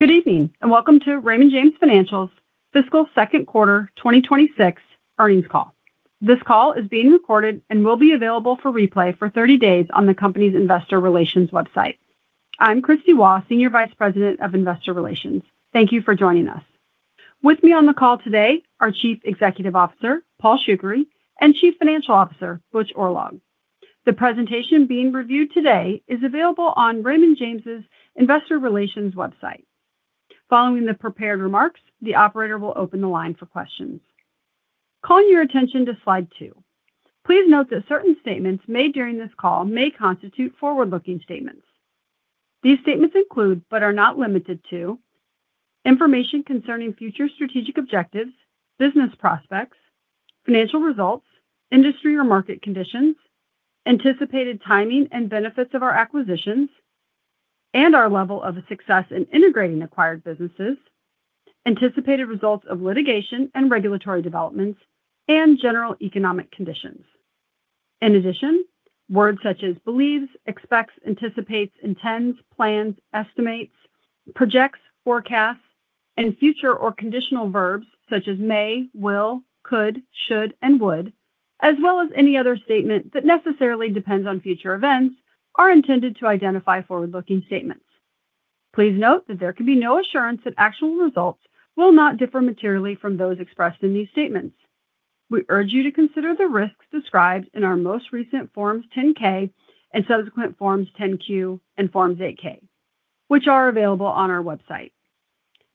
Good evening, and welcome to Raymond James Financial fiscal second quarter 2026 earnings call. This call is being recorded and will be available for replay for 30 days on the company's investor relations website. I'm Kristie Waugh, Senior Vice President of Investor Relations. Thank you for joining us. With me on the call today are Chief Executive Officer Paul Shoukry and Chief Financial Officer Butch Oorlog. The presentation being reviewed today is available on Raymond James' investor relations website. Following the prepared remarks, the operator will open the line for questions. Calling your attention to slide two. Please note that certain statements made during this call may constitute forward-looking statements. These statements include, but are not limited to, information concerning future strategic objectives, business prospects, financial results, industry or market conditions, anticipated timing and benefits of our acquisitions, and our level of success in integrating acquired businesses, anticipated results of litigation and regulatory developments, and general economic conditions. In addition, words such as believes, expects, anticipates, intends, plans, estimates, projects, forecasts, and future or conditional verbs such as may, will, could, should, and would, as well as any other statement that necessarily depends on future events, are intended to identify forward-looking statements. Please note that there can be no assurance that actual results will not differ materially from those expressed in these statements. We urge you to consider the risks described in our most recent Form 10-K and subsequent Form 10-Q and Form 8-K, which are available on our website.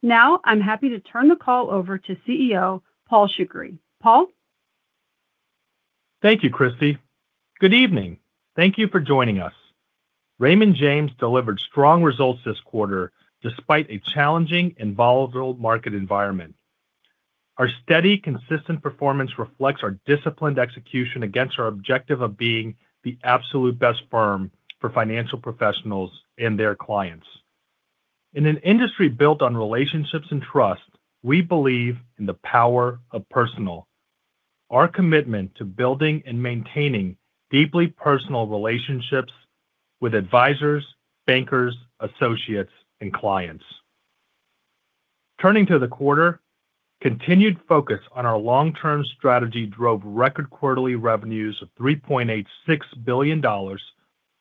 Now, I'm happy to turn the call over to CEO, Paul Shoukry. Paul? Thank you, Kristie. Good evening. Thank you for joining us. Raymond James delivered strong results this quarter despite a challenging and volatile market environment. Our steady, consistent performance reflects our disciplined execution against our objective of being the absolute best firm for financial professionals and their clients. In an industry built on relationships and trust, we believe in the power of personal, our commitment to building and maintaining deeply personal relationships with advisors, bankers, associates, and clients. Turning to the quarter, continued focus on our long-term strategy drove record quarterly revenues of $3.86 billion,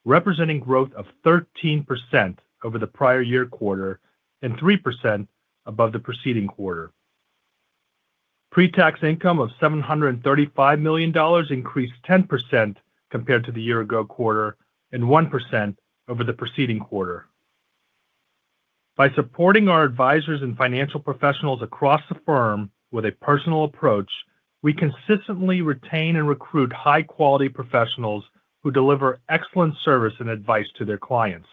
representing growth of 13% over the prior year quarter and 3% above the preceding quarter. Pre-tax income of $735 million increased 10% compared to the year ago quarter and 1% over the preceding quarter. By supporting our advisors and financial professionals across the firm with a personal approach, we consistently retain and recruit high-quality professionals who deliver excellent service and advice to their clients.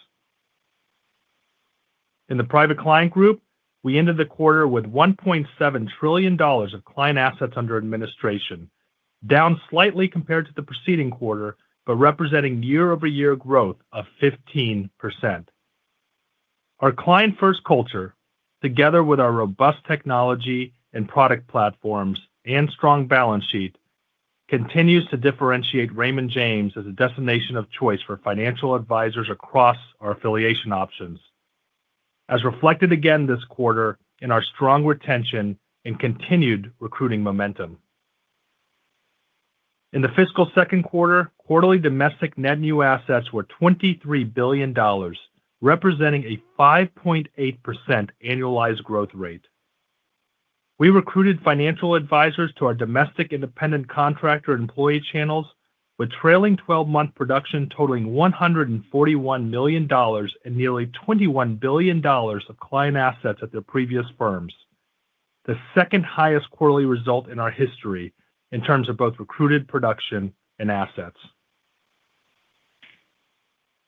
In the Private Client Group, we ended the quarter with $1.7 trillion of client assets under administration, down slightly compared to the preceding quarter, but representing year-over-year growth of 15%. Our client-first culture, together with our robust technology and product platforms and strong balance sheet, continues to differentiate Raymond James as a destination of choice for financial advisors across our affiliation options, as reflected again this quarter in our strong retention and continued recruiting momentum. In the fiscal second quarter, quarterly domestic net new assets were $23 billion, representing a 5.8% annualized growth rate. We recruited financial advisors to our domestic independent contractor employee channels with trailing 12-month production totaling $141 million and nearly $21 billion of client assets at their previous firms. The second highest quarterly result in our history in terms of both recruited production and assets.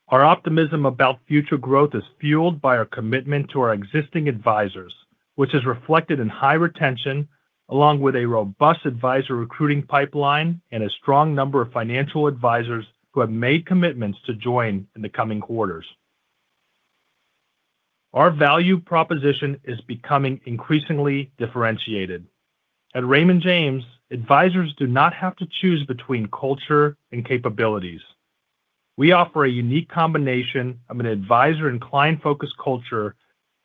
Our optimism about future growth is fueled by our commitment to our existing advisors, which is reflected in high retention, along with a robust advisor recruiting pipeline and a strong number of financial advisors who have made commitments to join in the coming quarters. Our value proposition is becoming increasingly differentiated. At Raymond James, advisors do not have to choose between culture and capabilities. We offer a unique combination of an advisor and client-focused culture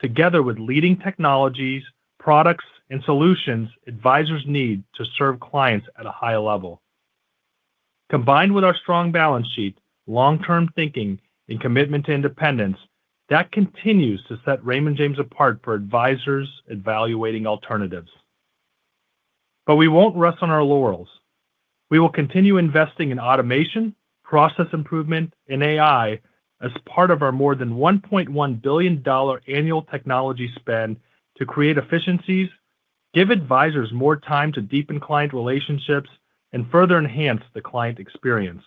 together with leading technologies, products, and solutions advisors need to serve clients at a high level. Combined with our strong balance sheet, long-term thinking, and commitment to independence, that continues to set Raymond James apart for advisors evaluating alternatives. We won't rest on our laurels. We will continue investing in automation, process improvement, and AI as part of our more than $1.1 billion annual technology spend to create efficiencies, give advisors more time to deepen client relationships, and further enhance the client experience.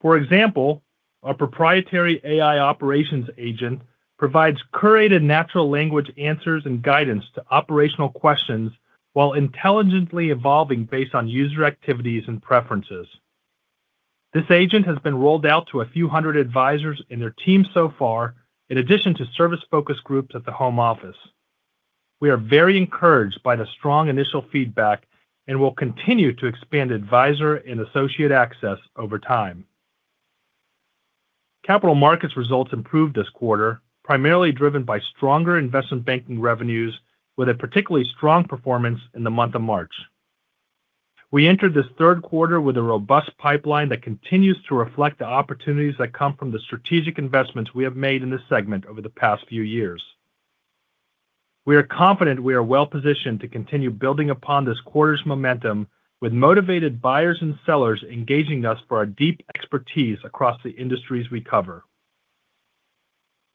For example, our proprietary AI operations agent provides curated natural language answers and guidance to operational questions while intelligently evolving based on user activities and preferences. This agent has been rolled out to a few hundred advisors and their team so far, in addition to service focus groups at the home office. We are very encouraged by the strong initial feedback and will continue to expand advisor and associate access over time. Capital Markets results improved this quarter, primarily driven by stronger investment banking revenues with a particularly strong performance in the month of March. We entered this third quarter with a robust pipeline that continues to reflect the opportunities that come from the strategic investments we have made in this segment over the past few years. We are confident we are well-positioned to continue building upon this quarter's momentum with motivated buyers and sellers engaging us for our deep expertise across the industries we cover.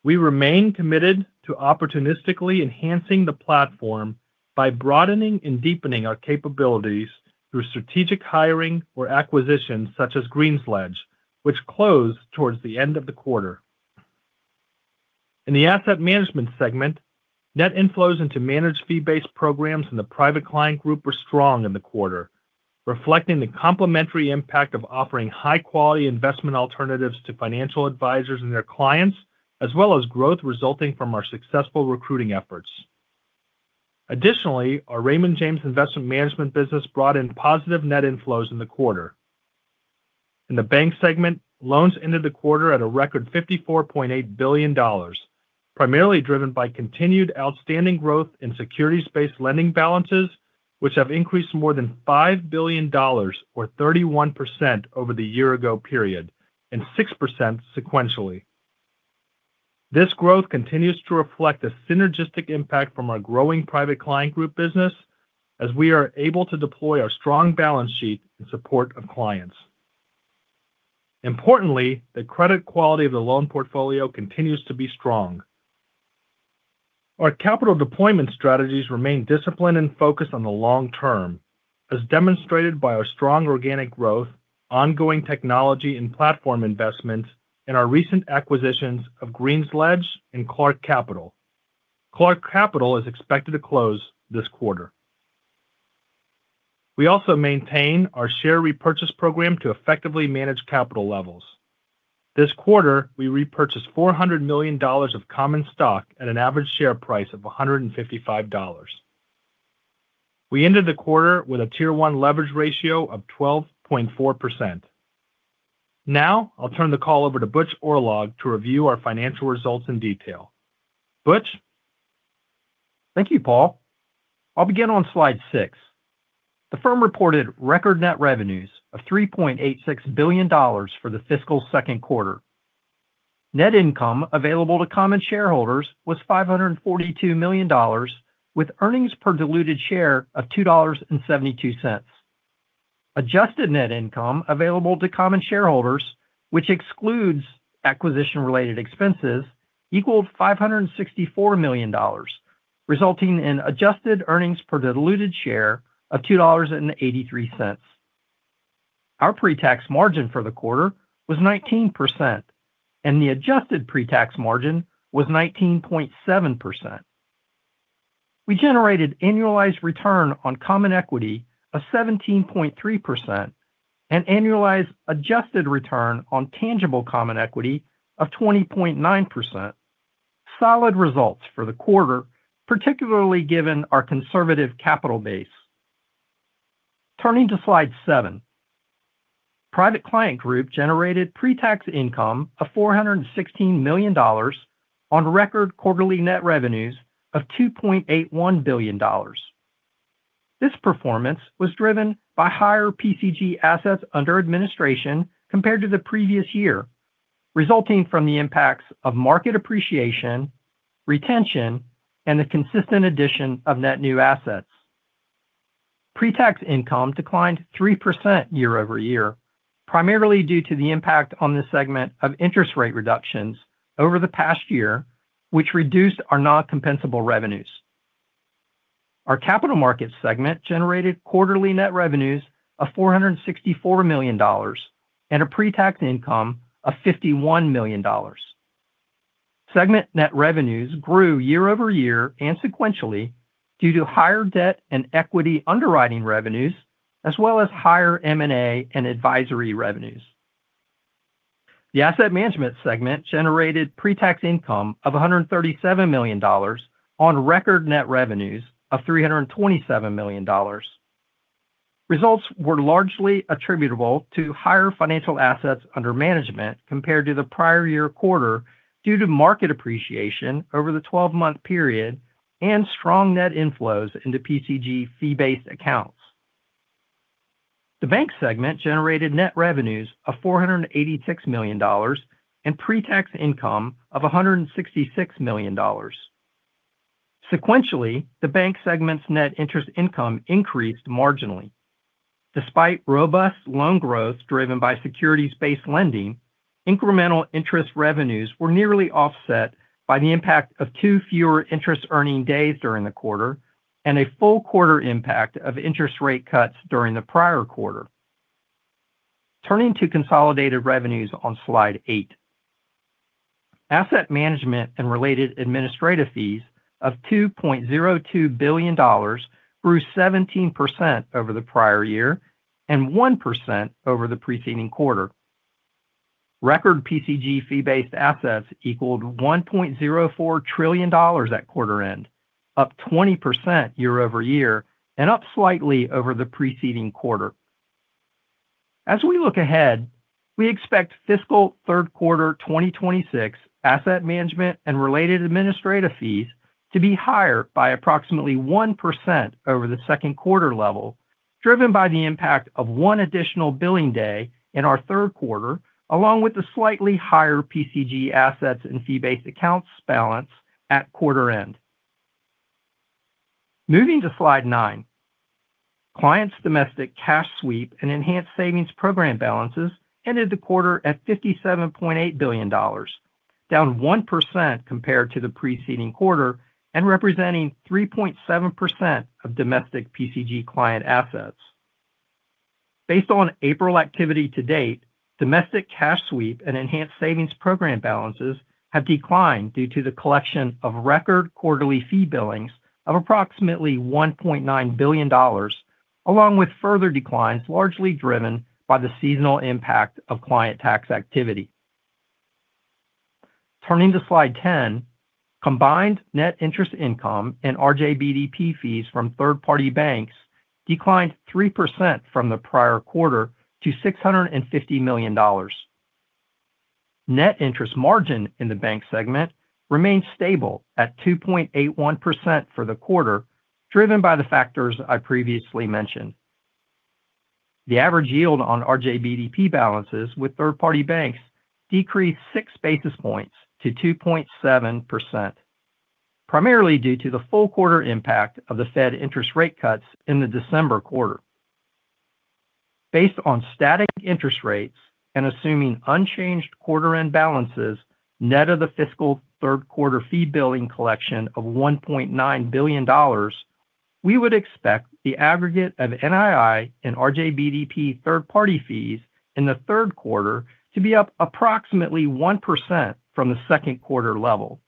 We remain committed to opportunistically enhancing the platform by broadening and deepening our capabilities through strategic hiring or acquisitions such as GreensLedge, which closed toward the end of the quarter. In the Asset Management segment, net inflows into managed fee-based programs in the Private Client Group were strong in the quarter, reflecting the complementary impact of offering high-quality investment alternatives to financial advisors and their clients, as well as growth resulting from our successful recruiting efforts. Additionally, our Raymond James Investment Management business brought in positive net inflows in the quarter. In the Banking segment, loans ended the quarter at a record $54.8 billion, primarily driven by continued outstanding growth in securities-based lending balances, which have increased more than $5 billion or 31% over the year ago period and 6% sequentially. This growth continues to reflect a synergistic impact from our growing Private Client Group business as we are able to deploy our strong balance sheet in support of clients. Importantly, the credit quality of the loan portfolio continues to be strong. Our capital deployment strategies remain disciplined and focused on the long term, as demonstrated by our strong organic growth, ongoing technology and platform investments, and our recent acquisitions of GreensLedge and Clark Capital. Clark Capital is expected to close this quarter. We also maintain our share repurchase program to effectively manage capital levels. This quarter, we repurchased $400 million of common stock at an average share price of $155. We ended the quarter with a Tier 1 leverage ratio of 12.4%. Now, I'll turn the call over to Butch Oorlog to review our financial results in detail. Butch? Thank you, Paul. I'll begin on slide six. The firm reported record net revenues of $3.86 billion for the fiscal second quarter. Net income available to common shareholders was $542 million with earnings per diluted share of $2.72. Adjusted net income available to common shareholders, which excludes acquisition-related expenses, equaled $564 million, resulting in adjusted earnings per diluted share of $2.83. Our pre-tax margin for the quarter was 19%, and the adjusted pre-tax margin was 19.7%. We generated annualized return on common equity of 17.3% and annualized adjusted return on tangible common equity of 20.9%, solid results for the quarter, particularly given our conservative capital base. Turning to slide seven. Private Client Group generated pre-tax income of $416 million on record quarterly net revenues of $2.81 billion. This performance was driven by higher PCG assets under administration compared to the previous year, resulting from the impacts of market appreciation, retention, and the consistent addition of net new assets. Pre-tax income declined 3% year-over-year, primarily due to the impact on this segment of interest rate reductions over the past year, which reduced our non-compensable revenues. Our Capital Markets segment generated quarterly net revenues of $464 million and a pre-tax income of $51 million. Segment net revenues grew year-over-year and sequentially due to higher debt and equity underwriting revenues, as well as higher M&A and advisory revenues. The Asset Management segment generated pre-tax income of $137 million on record net revenues of $327 million. Results were largely attributable to higher financial assets under management compared to the prior year quarter due to market appreciation over the 12-month period and strong net inflows into PCG fee-based accounts. The Banking segment generated net revenues of $486 million and pre-tax income of $166 million. Sequentially, the Banking segment's net interest income increased marginally. Despite robust loan growth driven by securities-based lending, incremental interest revenues were nearly offset by the impact of two fewer interest earning days during the quarter and a full quarter impact of interest rate cuts during the prior quarter. Turning to consolidated revenues on slide eight. Asset management and related administrative fees of $2.02 billion grew 17% over the prior year and 1% over the preceding quarter. Record PCG fee-based assets equaled $1.04 trillion at quarter end, up 20% year-over-year and up slightly over the preceding quarter. As we look ahead, we expect fiscal third quarter 2026 asset management and related administrative fees to be higher by approximately 1% over the second quarter level, driven by the impact of one additional billing day in our third quarter, along with the slightly higher PCG assets and fee-based accounts balance at quarter end. Moving to slide nine. Clients' domestic cash sweep and Enhanced Savings Program balances ended the quarter at $57.8 billion, down 1% compared to the preceding quarter and representing 3.7% of domestic PCG client assets. Based on April activity to date, domestic cash sweep and Enhanced Savings Program balances have declined due to the collection of record quarterly fee billings of approximately $1.9 billion, along with further declines largely driven by the seasonal impact of client tax activity. Turning to slide 10. Combined net interest income and RJBDP fees from third-party banks declined 3% from the prior quarter to $650 million. Net interest margin in the Banking segment remained stable at 2.81% for the quarter, driven by the factors I previously mentioned. The average yield on RJBDP balances with third-party banks decreased 6 basis points to 2.7%, primarily due to the full quarter impact of the Fed interest rate cuts in the December quarter. Based on static interest rates and assuming unchanged quarter-end balances, net of the fiscal third quarter fee billing collection of $1.9 billion, we would expect the aggregate of NII and RJBDP third-party fees in the third quarter to be up approximately 1% from the second quarter level.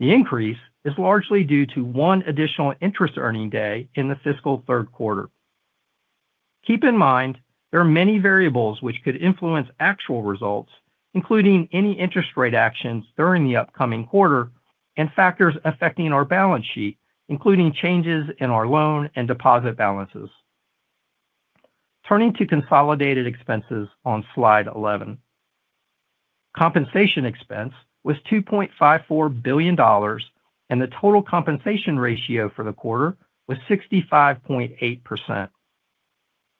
The increase is largely due to one additional interest earning day in the fiscal third quarter. Keep in mind, there are many variables which could influence actual results, including any interest rate actions during the upcoming quarter and factors affecting our balance sheet, including changes in our loan and deposit balances. Turning to consolidated expenses on slide 11. Compensation expense was $2.54 billion, and the total compensation ratio for the quarter was 65.8%.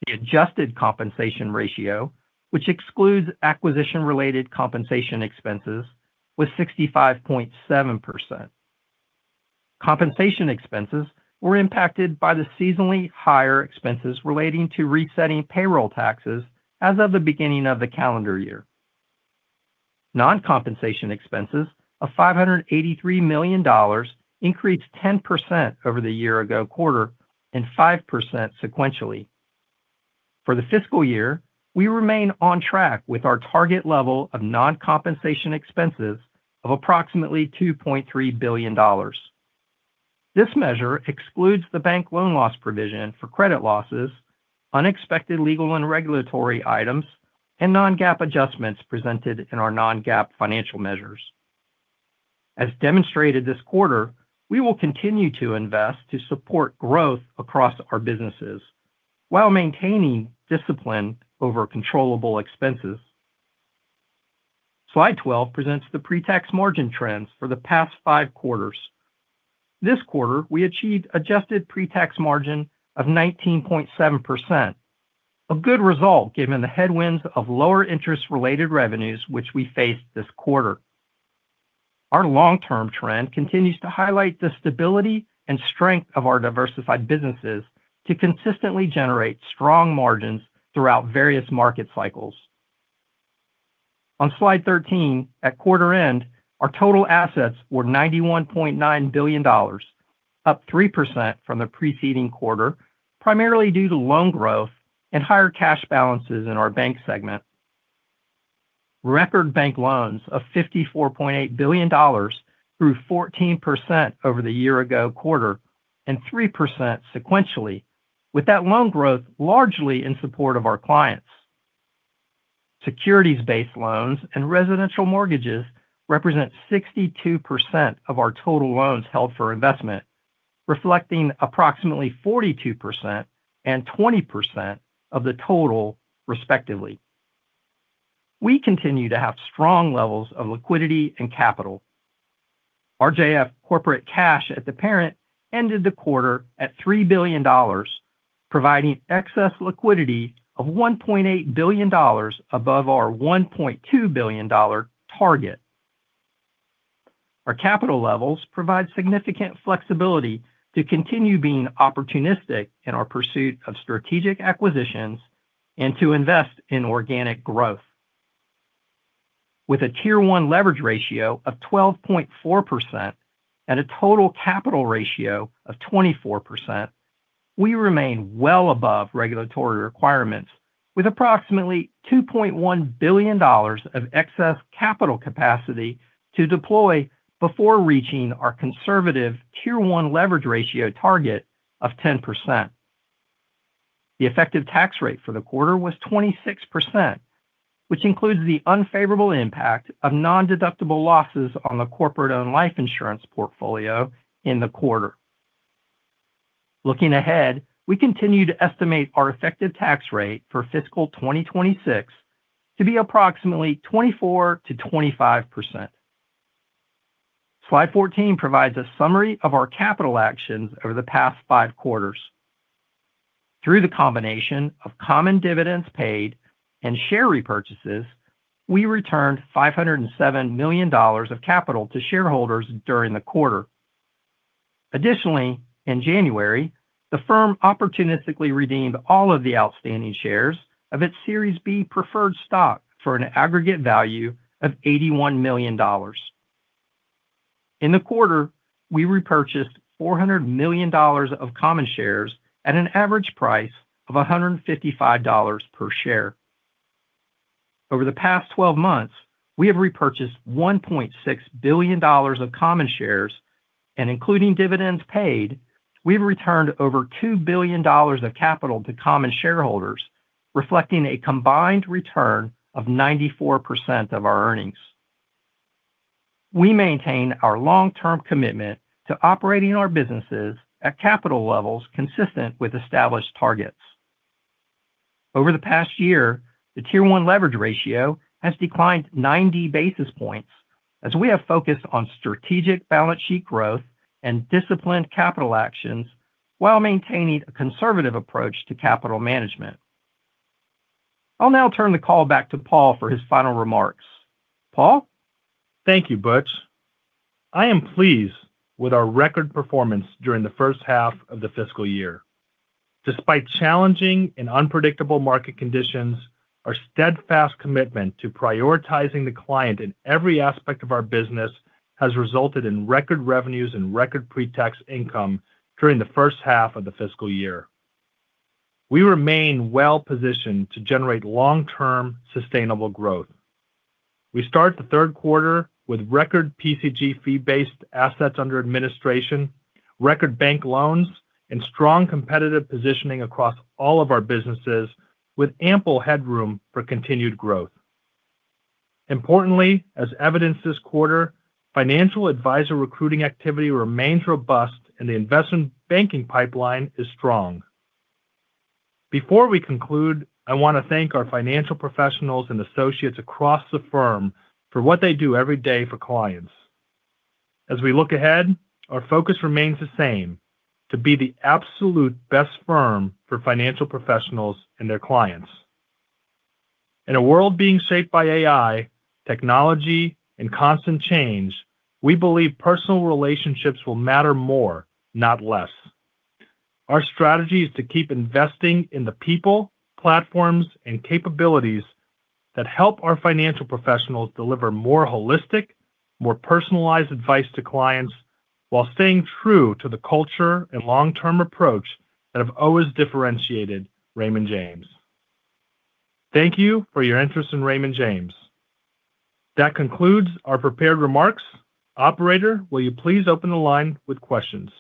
The adjusted compensation ratio, which excludes acquisition-related compensation expenses, was 65.7%. Compensation expenses were impacted by the seasonally higher expenses relating to resetting payroll taxes as of the beginning of the calendar year. Non-compensation expenses of $583 million increased 10% over the year ago quarter and 5% sequentially. For the fiscal year, we remain on track with our target level of non-compensation expenses of approximately $2.3 billion. This measure excludes the bank loan loss provision for credit losses, unexpected legal and regulatory items, and non-GAAP adjustments presented in our non-GAAP financial measures. As demonstrated this quarter, we will continue to invest to support growth across our businesses while maintaining discipline over controllable expenses. Slide 12 presents the pre-tax margin trends for the past five quarters. This quarter, we achieved adjusted pre-tax margin of 19.7%, a good result given the headwinds of lower interest-related revenues, which we faced this quarter. Our long-term trend continues to highlight the stability and strength of our diversified businesses to consistently generate strong margins throughout various market cycles. On slide 13, at quarter end, our total assets were $91.9 billion, up 3% from the preceding quarter, primarily due to loan growth and higher cash balances in our Banking segment. Record bank loans of $54.8 billion grew 14% over the year ago quarter and 3% sequentially, with that loan growth largely in support of our clients. Securities-based loans and residential mortgages represent 62% of our total loans held for investment, reflecting approximately 42% and 20% of the total, respectively. We continue to have strong levels of liquidity and capital. RJF corporate cash at the parent ended the quarter at $3 billion, providing excess liquidity of $1.8 billion above our $1.2 billion target. Our capital levels provide significant flexibility to continue being opportunistic in our pursuit of strategic acquisitions and to invest in organic growth. With a Tier 1 leverage ratio of 12.4% and a total capital ratio of 24%, we remain well above regulatory requirements with approximately $2.1 billion of excess capital capacity to deploy before reaching our conservative Tier 1 leverage ratio target of 10%. The effective tax rate for the quarter was 26%, which includes the unfavorable impact of non-deductible losses on the corporate-owned life insurance portfolio in the quarter. Looking ahead, we continue to estimate our effective tax rate for fiscal 2026 to be approximately 24%-25%. Slide 14 provides a summary of our capital actions over the past five quarters. Through the combination of common dividends paid and share repurchases, we returned $507 million of capital to shareholders during the quarter. Additionally, in January, the firm opportunistically redeemed all of the outstanding shares of its Series B preferred stock for an aggregate value of $81 million. In the quarter, we repurchased $400 million of common shares at an average price of $155 per share. Over the past 12 months, we have repurchased $1.6 billion of common shares, and including dividends paid, we've returned over $2 billion of capital to common shareholders, reflecting a combined return of 94% of our earnings. We maintain our long-term commitment to operating our businesses at capital levels consistent with established targets. Over the past year, the Tier 1 leverage ratio has declined 90 basis points as we have focused on strategic balance sheet growth and disciplined capital actions while maintaining a conservative approach to capital management. I'll now turn the call back to Paul for his final remarks. Paul? Thank you, Butch. I am pleased with our record performance during the first half of the fiscal year. Despite challenging and unpredictable market conditions, our steadfast commitment to prioritizing the client in every aspect of our business has resulted in record revenues and record pre-tax income during the first half of the fiscal year. We remain well-positioned to generate long-term sustainable growth. We start the third quarter with record PCG fee-based assets under administration, record bank loans, and strong competitive positioning across all of our businesses, with ample headroom for continued growth. Importantly, as evidenced this quarter, financial advisor recruiting activity remains robust, and the investment banking pipeline is strong. Before we conclude, I want to thank our financial professionals and associates across the firm for what they do every day for clients. As we look ahead, our focus remains the same, to be the absolute best firm for financial professionals and their clients. In a world being shaped by AI, technology, and constant change, we believe personal relationships will matter more, not less. Our strategy is to keep investing in the people, platforms, and capabilities that help our financial professionals deliver more holistic, more personalized advice to clients while staying true to the culture and long-term approach that have always differentiated Raymond James. Thank you for your interest in Raymond James. That concludes our prepared remarks. Operator, will you please open the line with questions?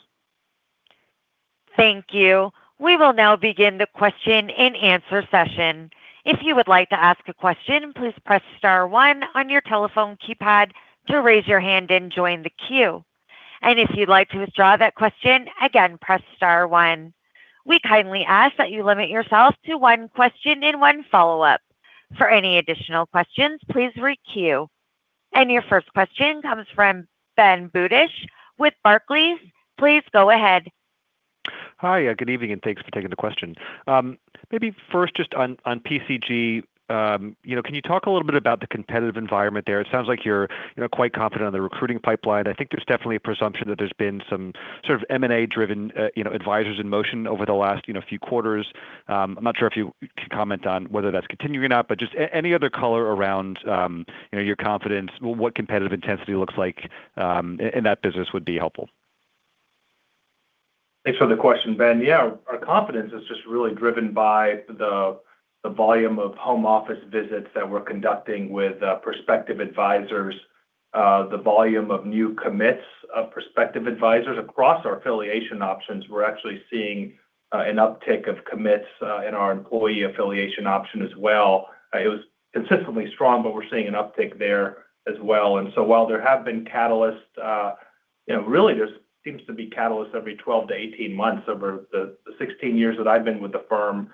Thank you. We will now begin the question and answer session. If you would like to ask a question, please press star one on your telephone keypad to raise your hand and join the queue. If you'd like to withdraw that question, again, press star one. We kindly ask that you limit yourself to one question and one follow-up. For any additional questions, please re-queue. Your first question comes from Ben Budish with Barclays. Please go ahead. Hi. Good evening, and thanks for taking the question. Maybe first, just on PCG, can you talk a little bit about the competitive environment there? It sounds like you're quite confident on the recruiting pipeline. I think there's definitely a presumption that there's been some sort of M&A-driven advisors in motion over the last few quarters. I'm not sure if you could comment on whether that's continuing or not, but just any other color around your confidence, what competitive intensity looks like in that business would be helpful. Thanks for the question, Ben. Yeah. Our confidence is just really driven by the volume of home office visits that we're conducting with prospective advisors, the volume of new commits of prospective advisors across our affiliation options. We're actually seeing an uptick of commits in our employee affiliation option as well. It was consistently strong, but we're seeing an uptick there as well. While there have been catalysts, really there seems to be catalysts every 12-18 months over the 16 years that I've been with the firm.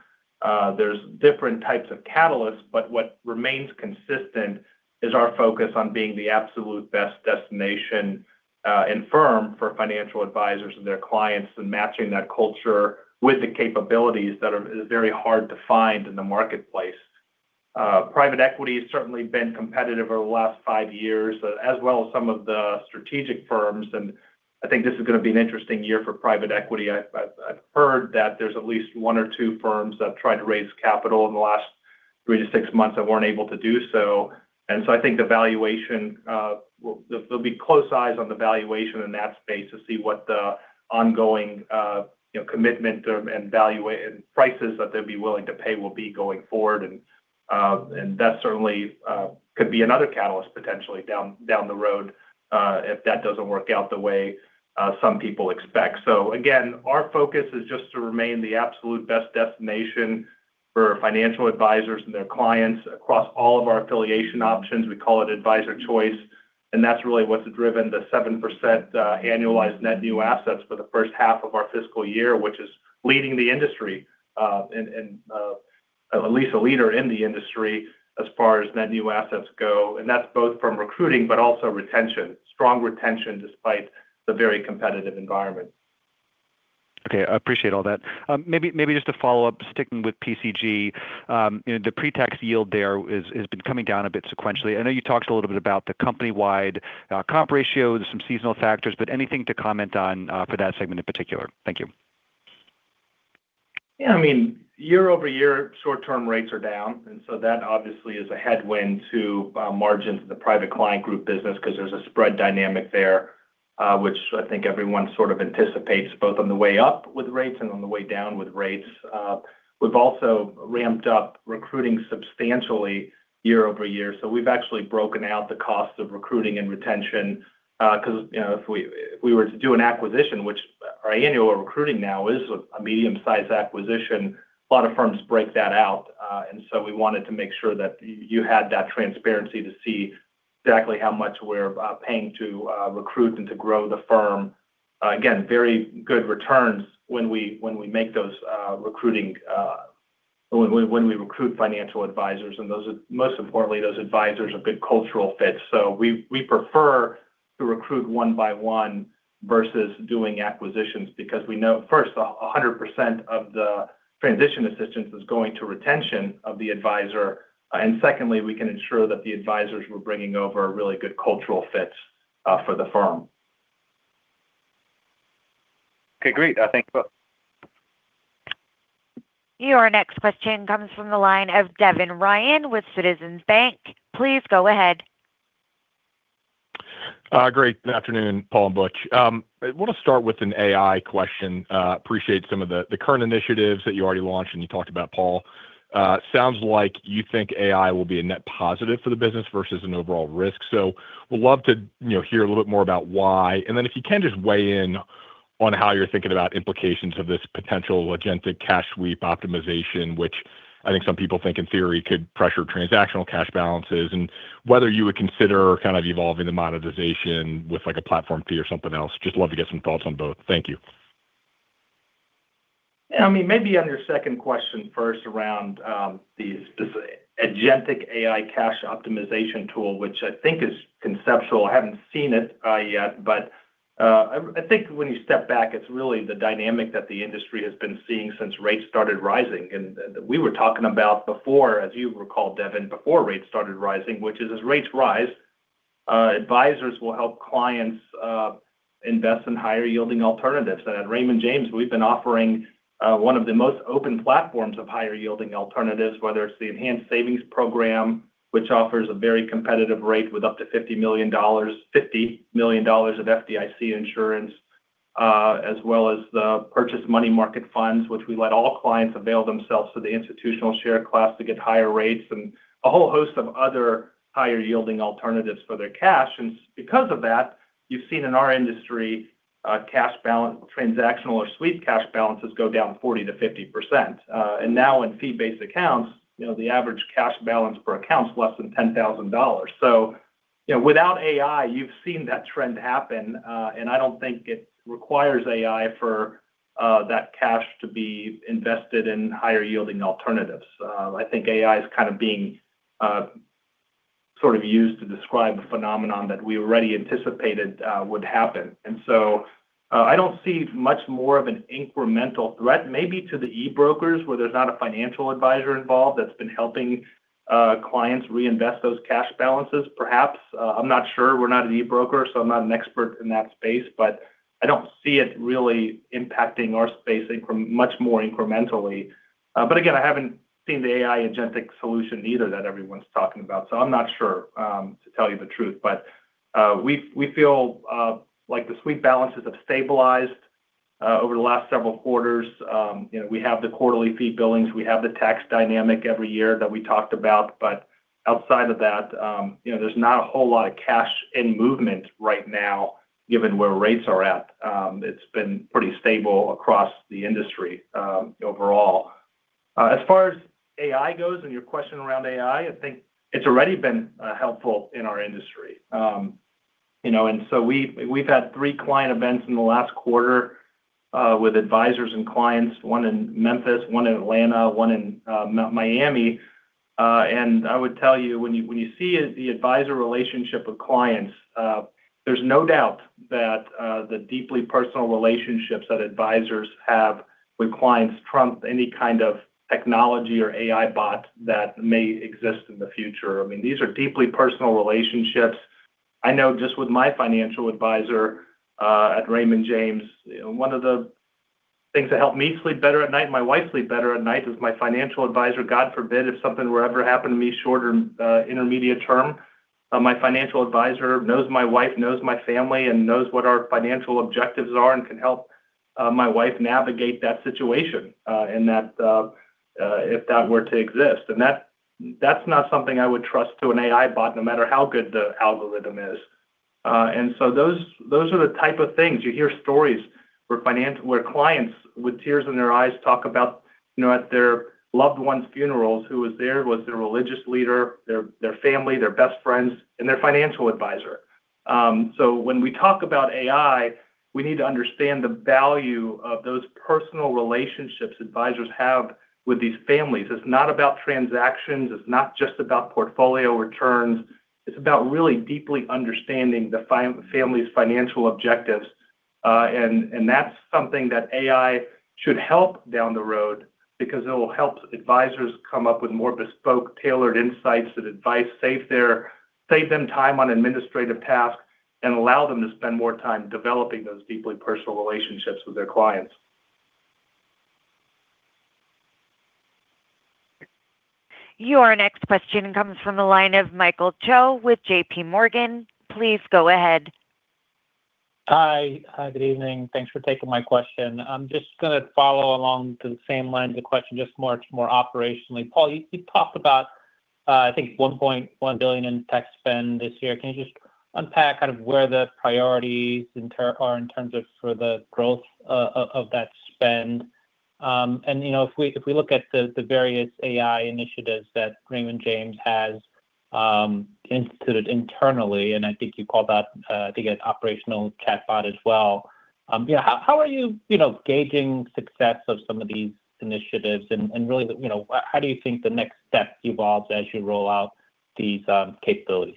There's different types of catalysts, but what remains consistent is our focus on being the absolute best destination and firm for financial advisors and their clients, and matching that culture with the capabilities that are very hard to find in the marketplace. Private equity has certainly been competitive over the last five years, as well as some of the strategic firms, and I think this is going to be an interesting year for private equity. I've heard that there's at least one or two firms that have tried to raise capital in the last three to six months that weren't able to do so. I think there'll be close eyes on the valuation in that space to see what the ongoing commitment and prices that they'll be willing to pay will be going forward. That certainly could be another catalyst potentially down the road if that doesn't work out the way some people expect. Again, our focus is just to remain the absolute best destination for financial advisors and their clients across all of our affiliation options. We call it Advisor Choice, and that's really what's driven the 7% annualized net new assets for the first half of our fiscal year, which is leading the industry. At least a leader in the industry as far as net new assets go. That's both from recruiting, but also retention. Strong retention despite the very competitive environment. Okay. I appreciate all that. Maybe just a follow-up, sticking with PCG. The pre-tax yield there has been coming down a bit sequentially. I know you talked a little bit about the company-wide comp ratio. There's some seasonal factors, but anything to comment on for that segment in particular? Thank you. Yeah, year-over-year, short-term rates are down, and that obviously is a headwind to margins in the Private Client Group business because there's a spread dynamic there, which I think everyone sort of anticipates both on the way up with rates and on the way down with rates. We've also ramped up recruiting substantially year-over-year. We've actually broken out the cost of recruiting and retention, because if we were to do an acquisition, which our annual recruiting now is a medium-sized acquisition. A lot of firms break that out. We wanted to make sure that you had that transparency to see exactly how much we're paying to recruit and to grow the firm. Again, very good returns when we recruit financial advisors. Most importantly, those advisors are good cultural fits. We prefer to recruit one by one versus doing acquisitions because we know, first, 100% of the transition assistance is going to retention of the advisor. Secondly, we can ensure that the advisors we're bringing over are a really good cultural fit for the firm. Okay, great. Thank you both. Your next question comes from the line of Devin Ryan with Citizens Bank. Please go ahead. Great. Good afternoon, Paul and Butch. I want to start with an AI question. I appreciate some of the current initiatives that you already launched and you talked about, Paul. Sounds like you think AI will be a net positive for the business versus an overall risk. Would love to hear a little bit more about why, and then if you can just weigh in on how you're thinking about implications of this potential agentic cash sweep optimization, which I think some people think in theory could pressure transactional cash balances, and whether you would consider kind of evolving the monetization with like a platform fee or something else. Just love to get some thoughts on both. Thank you. Yeah, maybe on your second question first around this agentic AI cash optimization tool, which I think is conceptual. I haven't seen it yet, but I think when you step back, it's really the dynamic that the industry has been seeing since rates started rising. We were talking about before, as you recall, Devin, before rates started rising, which is as rates rise, advisors will help clients invest in higher yielding alternatives. At Raymond James, we've been offering one of the most open platforms of higher yielding alternatives, whether it's the Enhanced Savings Program, which offers a very competitive rate with up to $50 million of FDIC insurance, as well as the prime money market funds, which we let all clients avail themselves to the institutional share class to get higher rates and a whole host of other higher yielding alternatives for their cash. Because of that, you've seen in our industry, cash balance transactional or sweep cash balances go down 40%-50%. Now in fee-based accounts, the average cash balance per account's less than $10,000. Without AI, you've seen that trend happen. I don't think it requires AI for that cash to be invested in higher yielding alternatives. I think AI is kind of being sort of used to describe a phenomenon that we already anticipated would happen. I don't see much more of an incremental threat. Maybe to the e-brokers where there's not a financial advisor involved that's been helping clients reinvest those cash balances, perhaps. I'm not sure. We're not an e-broker, so I'm not an expert in that space, but I don't see it really impacting our space much more incrementally. Again, I haven't seen the AI agentic solution either that everyone's talking about. I'm not sure, to tell you the truth. We feel like the sweep balances have stabilized over the last several quarters. We have the quarterly fee billings. We have the tax dynamic every year that we talked about. Outside of that, there's not a whole lot of cash in movement right now, given where rates are at. It's been pretty stable across the industry overall. As far as AI goes and your question around AI, I think it's already been helpful in our industry. We've had three client events in the last quarter, with advisors and clients, one in Memphis, one in Atlanta, one in Miami. I would tell you, when you see the advisor relationship with clients, there's no doubt that the deeply personal relationships that advisors have with clients trump any kind of technology or AI bot that may exist in the future. These are deeply personal relationships. I know just with my financial advisor at Raymond James, one of the things that help me sleep better at night and my wife sleep better at night is my financial advisor. God forbid, if something were ever to happen to me short or intermediate term. My financial advisor knows my wife, knows my family, and knows what our financial objectives are, and can help my wife navigate that situation if that were to exist. That's not something I would trust to an AI bot, no matter how good the algorithm is. Those are the type of things. You hear stories where clients with tears in their eyes talk about, at their loved ones' funerals, who was there: their religious leader, their family, their best friends, and their financial advisor. When we talk about AI, we need to understand the value of those personal relationship's advisors have with these families. It's not about transactions, it's not just about portfolio returns, it's about really deeply understanding the family's financial objectives. That's something that AI should help down the road because it'll help advisors come up with more bespoke, tailored insights and advice, save them time on administrative tasks, and allow them to spend more time developing those deeply personal relationships with their clients. Your next question comes from the line of Michael Cho with JPMorgan. Please go ahead. Hi. Good evening. Thanks for taking my question. I'm just going to follow along the same lines of the question, just more operationally. Paul, you talked about, I think, $1.1 billion in tech spend this year. Can you just unpack kind of where the priorities are in terms of for the growth of that spend? If we look at the various AI initiatives that Raymond James has instituted internally, and I think you called that, I think, an operational chatbot as well. How are you gauging success of some of these initiatives and really, how do you think the next step evolves as you roll out these capabilities?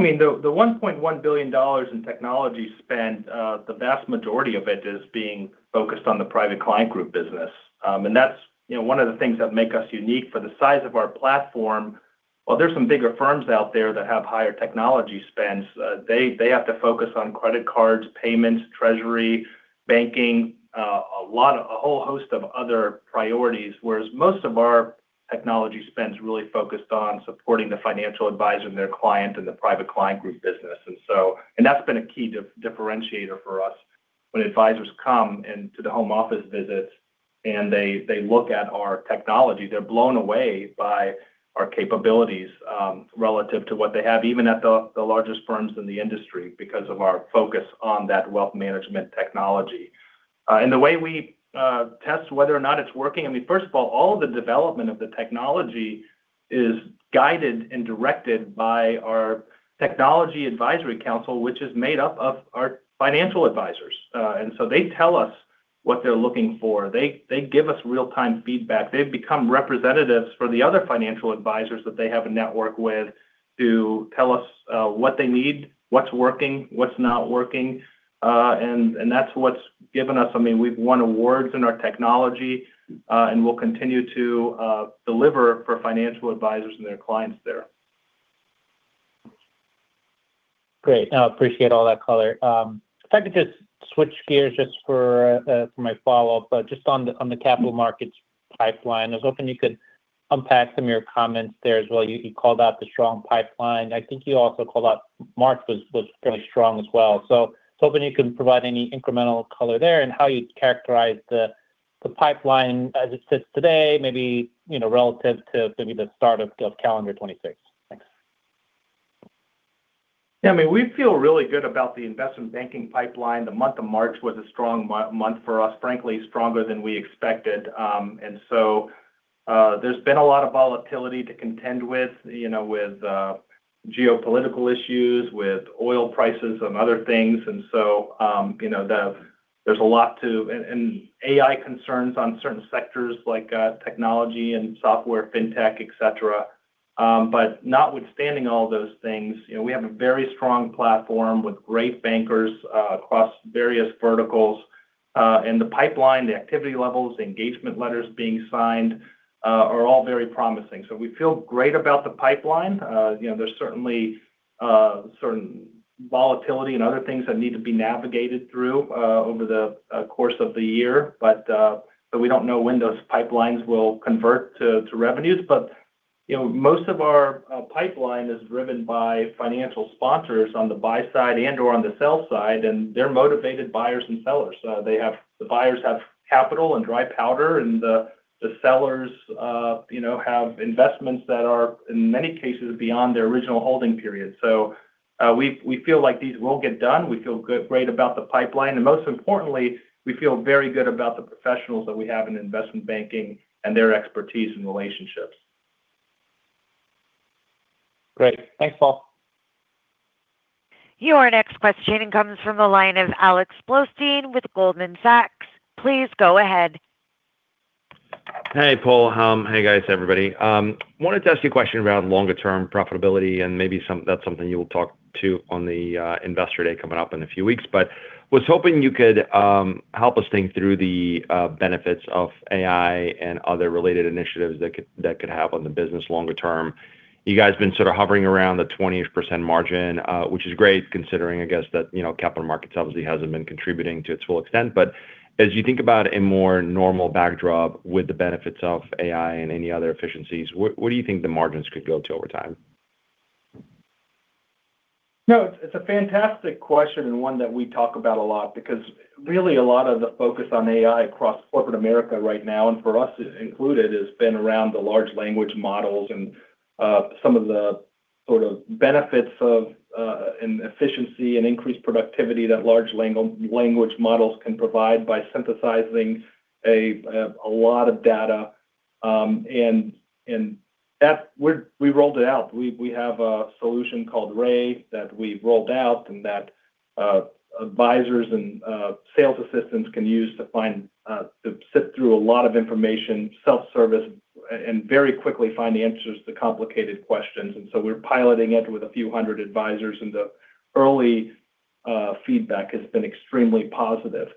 Thanks. The $1.1 billion in technology spend, the vast majority of it is being focused on the Private Client Group business. That's one of the things that make us unique. For the size of our platform, while there's some bigger firms out there that have higher technology spends, they have to focus on credit cards, payments, treasury, banking, a whole host of other priorities. Whereas most of our technology spends really focused on supporting the financial advisor and their client in the Private Client Group business. That's been a key differentiator for us. When advisors come into the home office visits and they look at our technology, they're blown away by our capabilities relative to what they have, even at the largest firms in the industry because of our focus on that wealth management technology. The way we test whether or not it's working, I mean, first of all the development of the technology is guided and directed by our technology advisory council, which is made up of our financial advisors. They tell us what they're looking for. They give us real-time feedback. They've become representatives for the other financial advisors that they have a network with to tell us what they need, what's working, what's not working, and that's what's given us. I mean, we've won awards in our technology, and we'll continue to deliver for financial advisors and their clients there. Great. I appreciate all that color. If I could just switch gears just for my follow-up, just on the Capital Markets pipeline. I was hoping you could unpack some of your comments there as well. You called out the strong pipeline. I think you also called out March was fairly strong as well. I was hoping you can provide any incremental color there and how you'd characterize the pipeline as it sits today, maybe relative to the start of calendar 2026. Thanks. Yeah. We feel really good about the investment banking pipeline. The month of March was a strong month for us, frankly, stronger than we expected. There's been a lot of volatility to contend with geopolitical issues, with oil prices and other things, AI concerns on certain sectors like technology and software, fintech, et cetera. Notwithstanding all those things, we have a very strong platform with great bankers across various verticals. The pipeline, the activity levels, the engagement letters being signed are all very promising. We feel great about the pipeline. There's certainly volatility and other things that need to be navigated through over the course of the year, but we don't know when those pipelines will convert to revenues. Most of our pipeline is driven by financial sponsors on the buy side and/or on the sell side, and they're motivated buyers and sellers. The buyers have capital and dry powder, and the sellers have investments that are, in many cases, beyond their original holding period. We feel like these will get done. We feel great about the pipeline, and most importantly, we feel very good about the professionals that we have in investment banking and their expertise and relationships. Great. Thanks, Paul. Your next question comes from the line of Alex Blostein with Goldman Sachs. Please go ahead. Hey, Paul. Hey, guys, everybody. Wanted to ask you a question around longer term profitability, and maybe that's something you will talk to on the Investor Day coming up in a few weeks. Was hoping you could help us think through the benefits of AI and other related initiatives that could have on the business longer term. You guys have been sort of hovering around the 20%-ish % margin, which is great considering, I guess, that capital markets obviously hasn't been contributing to its full extent. As you think about a more normal backdrop with the benefits of AI and any other efficiencies, where do you think the margins could go to over time? No, it's a fantastic question and one that we talk about a lot because really a lot of the focus on AI across corporate America right now and for us included, has been around the large language models and some of the sort of benefits of an efficiency and increased productivity that large language models can provide by synthesizing a lot of data. We rolled it out. We have a solution called Ray that we've rolled out and that advisors and sales assistants can use to sift through a lot of information, self-service, and very quickly find the answers to complicated questions. We're piloting it with a few hundred advisors, and the early feedback has been extremely positive.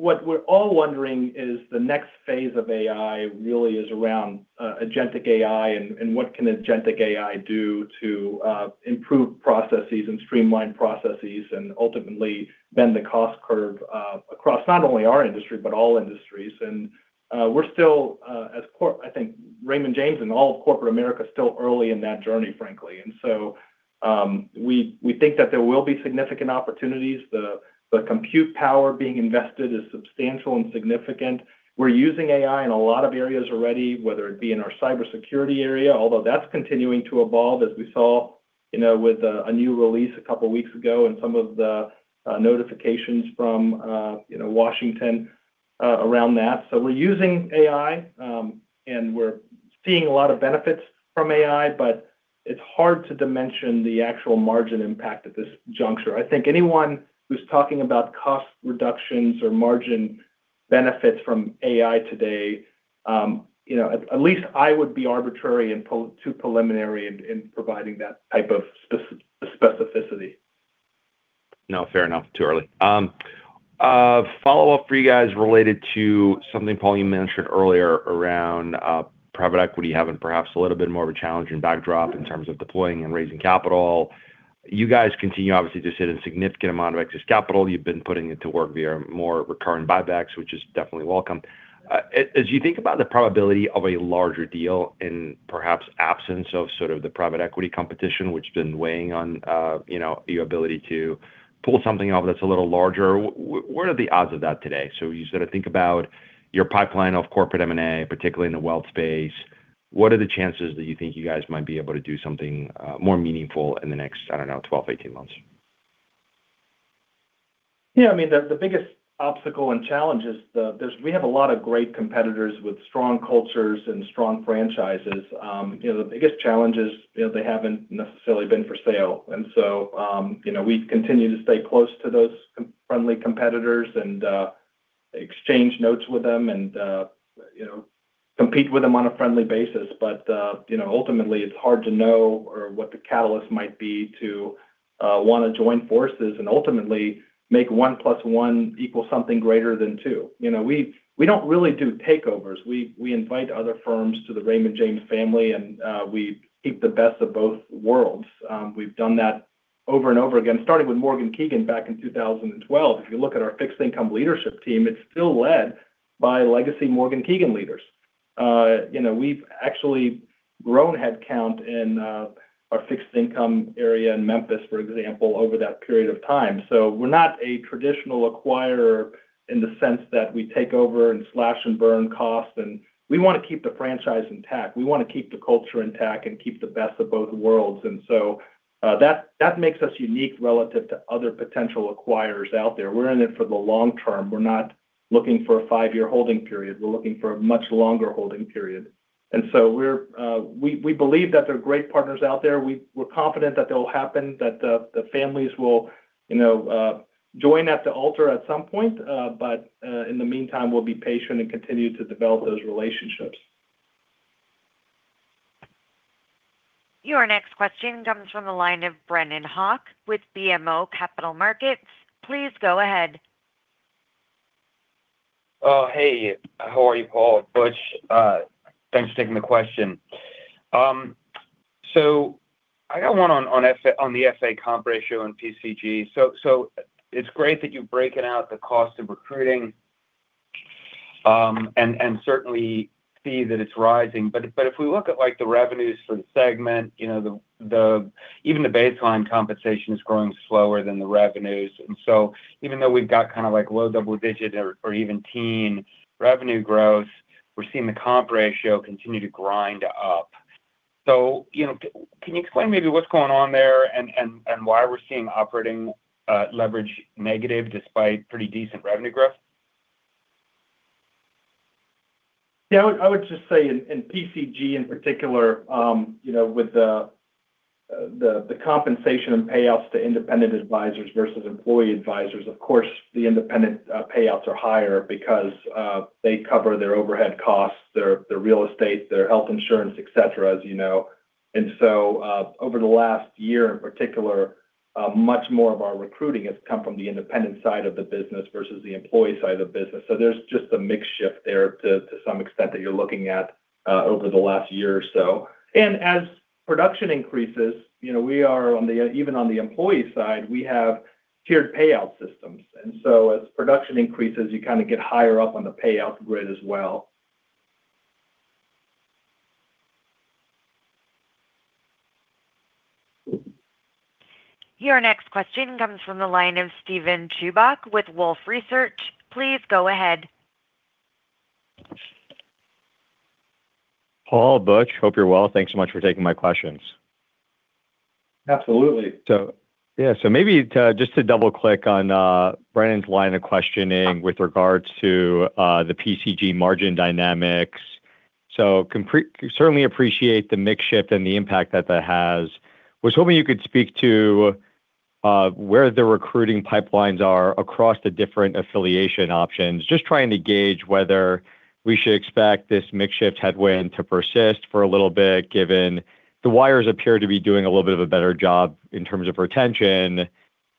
What we're all wondering is the next phase of AI really is around agentic AI and what can agentic AI do to improve processes and streamline processes and ultimately bend the cost curve across not only our industry but all industries. We're still as core, I think Raymond James and all of corporate America is still early in that journey, frankly. We think that there will be significant opportunities. The compute power being invested is substantial and significant. We're using AI in a lot of areas already, whether it be in our cybersecurity area, although that's continuing to evolve, as we saw with a new release a couple weeks ago and some of the notifications from Washington around that. We're using AI, and we're seeing a lot of benefits from AI, but it's hard to dimension the actual margin impact at this juncture. I think anyone who's talking about cost reductions or margin benefits from AI today, at least it would be arbitrary and too preliminary in providing that type of specificity. No. Fair enough. Too early. A follow-up for you guys related to something, Paul, you mentioned earlier around private equity having perhaps a little bit more of a challenging backdrop in terms of deploying and raising capital. You guys continue obviously to sit in a significant amount of excess capital. You've been putting it to work via more recurring buybacks, which is definitely welcome. As you think about the probability of a larger deal in perhaps absence of sort of the private equity competition, which has been weighing on your ability to pull something off that's a little larger, what are the odds of that today? You sort of think about your pipeline of corporate M&A, particularly in the wealth space. What are the chances that you think you guys might be able to do something more meaningful in the next, I don't know, 12, 18 months? Yeah, the biggest obstacle and challenge is we have a lot of great competitors with strong cultures and strong franchises. The biggest challenge is they haven't necessarily been for sale. We continue to stay close to those friendly competitors and exchange notes with them and compete with them on a friendly basis. Ultimately it's hard to know or what the catalyst might be to want to join forces and ultimately make one plus one equal something greater than two. We don't really do takeovers. We invite other firms to the Raymond James family, and we keep the best of both worlds. We've done that over and over again, starting with Morgan Keegan back in 2012. If you look at our fixed income leadership team, it's still led by legacy Morgan Keegan leaders. We've actually grown headcount in our fixed income area in Memphis, for example, over that period of time. We're not a traditional acquirer in the sense that we take over and slash and burn costs, and we want to keep the franchise intact. We want to keep the culture intact and keep the best of both worlds. That makes us unique relative to other potential acquirers out there. We're in it for the long term. We're not looking for a five-year holding period. We're looking for a much longer holding period. We believe that there are great partners out there. We're confident that they'll happen, that the families will join at the altar at some point. In the meantime, we'll be patient and continue to develop those relationships. Your next question comes from the line of Brennan Hawken with BMO Capital Markets. Please go ahead. Oh, hey, how are you, Paul, Butch? Thanks for taking the question. I got one on the FA comp ratio and PCG. It's great that you're breaking out the cost of recruiting, and certainly see that it's rising. If we look at the revenues for the segment, even the baseline compensation is growing slower than the revenues. Even though we've got kind of like low double-digit or even teen revenue growth, we're seeing the comp ratio continue to grind up. Can you explain maybe what's going on there and why we're seeing operating leverage negative despite pretty decent revenue growth? Yeah, I would just say in PCG in particular, with the compensation and payouts to independent advisors versus employee advisors, of course, the independent payouts are higher because they cover their overhead costs, their real estate, their health insurance, et cetera, as you know. Over the last year in particular, much more of our recruiting has come from the independent side of the business versus the employee side of the business. There's just a mix shift there to some extent that you're looking at over the last year or so. As production increases, even on the employee side, we have tiered payout systems. As production increases, you kind of get higher up on the payout grid as well. Your next question comes from the line of Steven Chubak with Wolfe Research. Please go ahead. Paul, Butch, hope you're well. Thanks so much for taking my questions. Absolutely. Maybe just to double-click on Brennan's line of questioning with regards to the PCG margin dynamics. Certainly appreciate the mix shift and the impact that that has. Was hoping you could speak to where the recruiting pipelines are across the different affiliation options. Just trying to gauge whether we should expect this mix shift headwind to persist for a little bit, given the wires appear to be doing a little bit of a better job in terms of retention,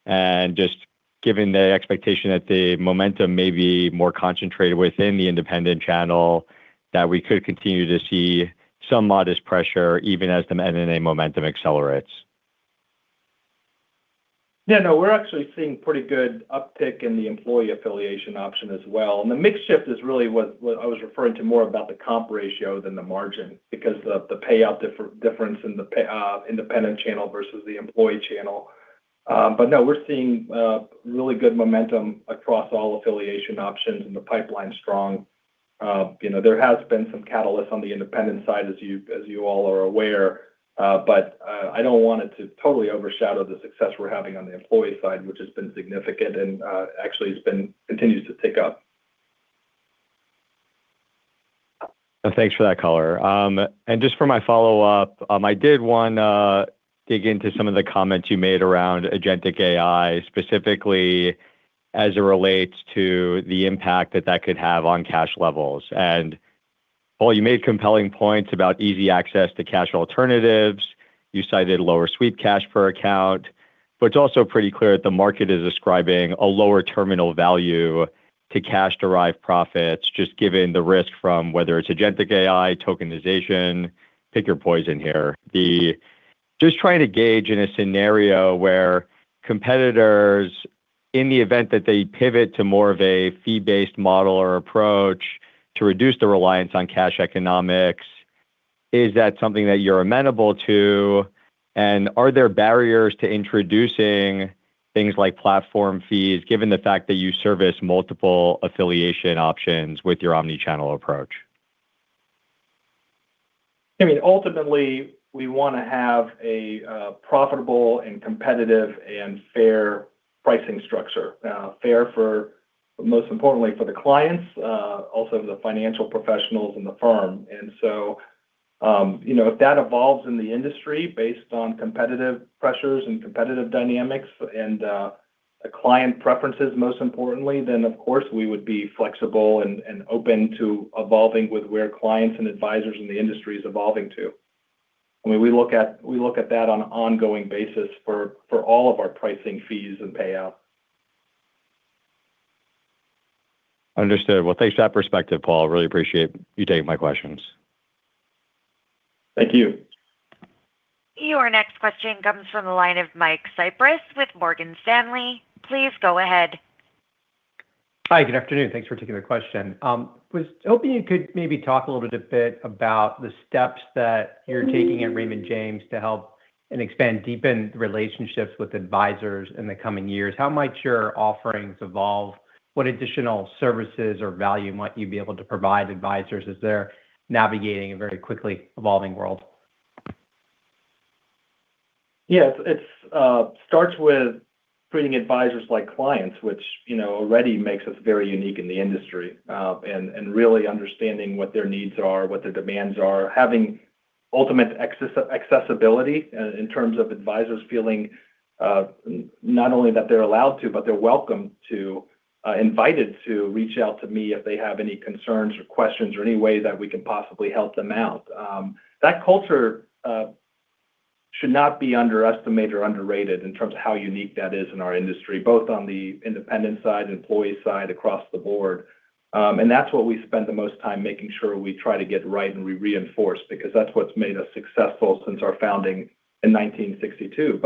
and just given the expectation that the momentum may be more concentrated within the independent channel, that we could continue to see some modest pressure even as the M&A momentum accelerates. Yeah, no, we're actually seeing pretty good uptick in the employee affiliation option as well. The mix shift is really what I was referring to more about the comp ratio than the margin because of the payout difference in the independent channel versus the employee channel. We're seeing really good momentum across all affiliation options, and the pipeline's strong. There has been some catalyst on the independent side as you all are aware. I don't want it to totally overshadow the success we're having on the employee side, which has been significant and actually continues to tick up. Thanks for that color. Just for my follow-up, I did want to dig into some of the comments you made around agentic AI, specifically as it relates to the impact that that could have on cash levels. Paul, you made compelling points about easy access to cash alternatives. You cited lower sweep cash per account. It's also pretty clear that the market is ascribing a lower terminal value to cash-derived profits, just given the risk from whether it's agentic AI, tokenization, pick your poison here. Just trying to gauge in a scenario where competitors, in the event that they pivot to more of a fee-based model or approach to reduce the reliance on cash economics, is that something that you're amenable to? Are there barriers to introducing things like platform fees, given the fact that you service multiple affiliation options with your omni-channel approach? I mean, ultimately, we want to have a profitable and competitive and fair pricing structure fair, most importantly, for the clients, also the financial professionals and the firm. If that evolves in the industry based on competitive pressures and competitive dynamics and the client preferences most importantly, then of course we would be flexible and open to evolving with where clients and advisors in the industry is evolving to. I mean, we look at that on an ongoing basis for all of our pricing fees and payout. Understood. Well, thanks for that perspective, Paul. I really appreciate you taking my questions. Thank you. Your next question comes from the line of Mike Cyprys with Morgan Stanley. Please go ahead. Hi, good afternoon. Thanks for taking the question. Was hoping you could maybe talk a little bit about the steps that you're taking at Raymond James to help and expand, deepen relationships with advisors in the coming years. How might your offerings evolve? What additional services or value might you be able to provide advisors as they're navigating a very quickly evolving world? Yes. It starts with treating advisors like clients, which already makes us very unique in the industry. Really understanding what their needs are, what their demands are, having ultimate accessibility in terms of advisors feeling not only that they're allowed to, but they're welcome to, invited to reach out to me if they have any concerns or questions or any way that we can possibly help them out. That culture should not be underestimated or underrated in terms of how unique that is in our industry, both on the independent side, employee side, across the board. That's what we spend the most time making sure we try to get right and we reinforce because that's what's made us successful since our founding in 1962.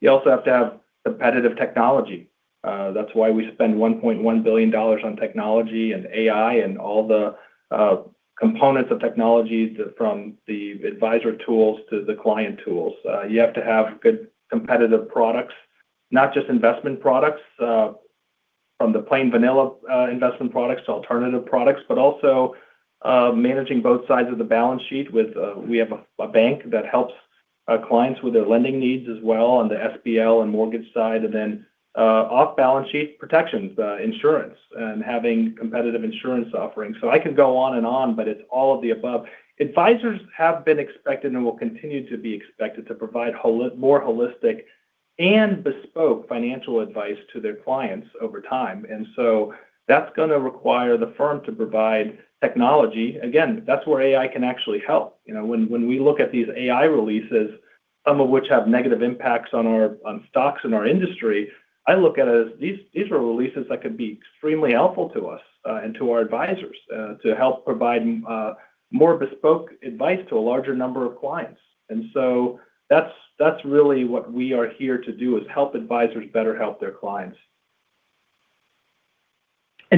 You also have to have competitive technology. That's why we spend $1.1 billion on technology and AI and all the components of technologies from the advisor tools to the client tools. You have to have good competitive products. Not just investment products, from the plain vanilla investment products to alternative products, but also managing both sides of the balance sheet with. We have a bank that helps our clients with their lending needs as well on the SBL and mortgage side. Off-balance sheet protections, insurance, and having competitive insurance offerings. I could go on and on, but it's all of the above. Advisors have been expected and will continue to be expected to provide more holistic and bespoke financial advice to their clients over time. That's going to require the firm to provide technology. Again, that's where AI can actually help. You know, when we look at these AI releases, some of which have negative impacts on stocks in our industry, I look at it as, these are releases that could be extremely helpful to us and to our advisors to help provide more bespoke advice to a larger number of clients. That's really what we are here to do, is help advisors better help their clients.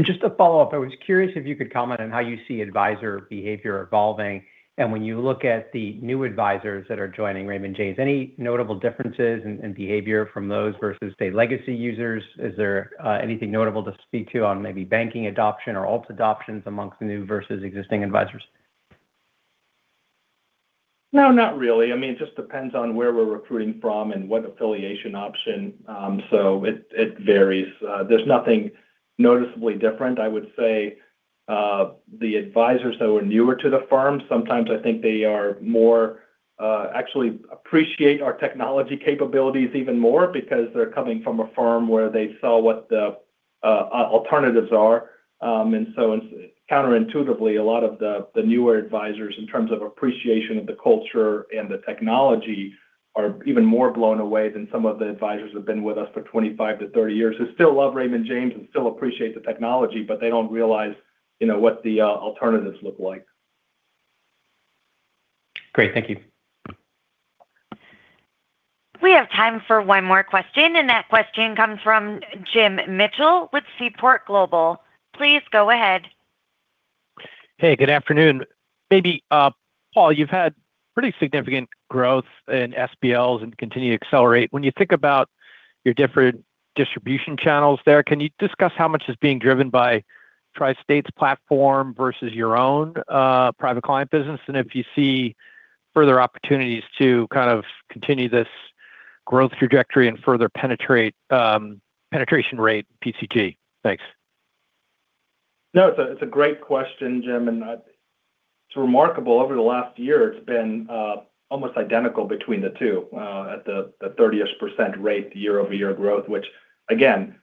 Just to follow up, I was curious if you could comment on how you see advisor behavior evolving. When you look at the new advisors that are joining Raymond James, any notable differences in behavior from those versus, say, legacy users? Is there anything notable to speak to on maybe banking adoption or alt adoptions amongst the new versus existing advisors? No, not really. I mean, it just depends on where we're recruiting from and what affiliation option. It varies. There's nothing noticeably different. I would say the advisors that were newer to the firm, sometimes I think they more actually appreciate our technology capabilities even more because they're coming from a firm where they saw what the alternatives are. Counterintuitively, a lot of the newer advisors, in terms of appreciation of the culture and the technology, are even more blown away than some of the advisors who have been with us for 25-30 years, who still love Raymond James and still appreciate the technology, but they don't realize what the alternatives look like. Great. Thank you. We have time for one more question, and that question comes from Jim Mitchell with Seaport Global. Please go ahead. Hey, good afternoon. Maybe, Paul, you've had pretty significant growth in SBLs and continue to accelerate. When you think about your different distribution channels there, can you discuss how much is being driven by TriState's platform versus your own private client business, and if you see further opportunities to kind of continue this growth trajectory and further penetration rate PCG? Thanks. No, it's a great question, Jim, and it's remarkable. Over the last year, it's been almost identical between the two at the 30-ish% rate year-over-year growth, which again,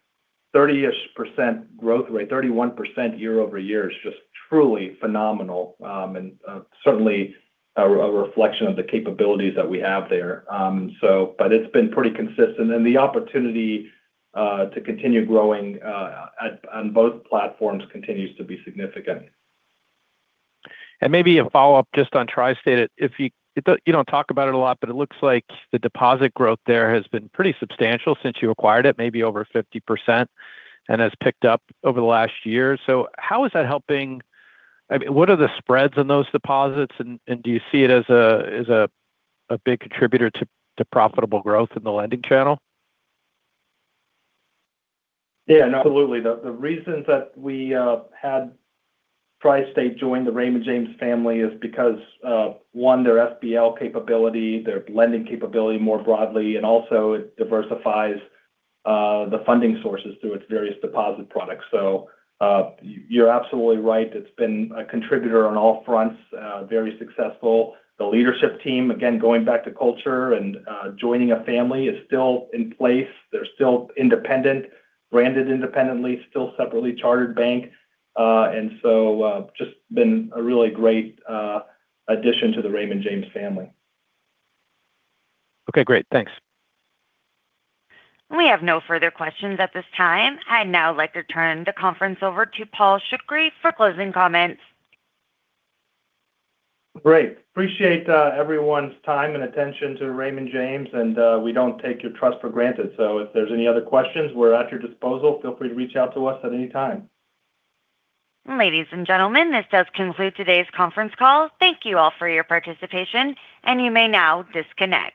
30-ish% growth rate, 31% year-over-year is just truly phenomenal and certainly a reflection of the capabilities that we have there. But it's been pretty consistent, and the opportunity to continue growing on both platforms continues to be significant. Maybe a follow-up just on TriState. You don't talk about it a lot, but it looks like the deposit growth there has been pretty substantial since you acquired it, maybe over 50%, and has picked up over the last year. How is that helping, what are the spreads on those deposits, and do you see it as a big contributor to profitable growth in the lending channel? Yeah, absolutely. The reasons that we had TriState Capital join the Raymond James family is because of, one, their SBL capability, their lending capability more broadly, and also it diversifies the funding sources through its various deposit products. So you're absolutely right. It's been a contributor on all fronts, very successful. The leadership team, again, going back to culture and joining a family, is still in place. They're still independent, branded independently, still separately chartered bank. Just been a really great addition to the Raymond James family. Okay, great. Thanks. We have no further questions at this time. I'd now like to turn the conference over to Paul Shoukry for closing comments. Great. Appreciate everyone's time and attention to Raymond James, and we don't take your trust for granted. If there's any other questions, we're at your disposal. Feel free to reach out to us at any time. Ladies and gentlemen, this does conclude today's conference call. Thank you all for your participation, and you may now disconnect.